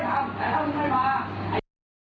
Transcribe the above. พักว่ามีอะไรรึไง